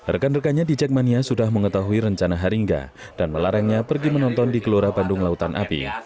rekan rekannya di jakmania sudah mengetahui rencana haringga dan melarangnya pergi menonton di kelora bandung lautan api